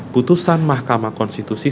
putusan mahkamah konstitusi